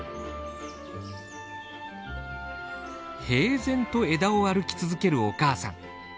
平然と枝を歩き続けるお母さん。